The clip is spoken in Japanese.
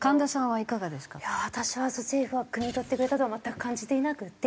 いや私は政府がくみ取ってくれたとは全く感じていなくて。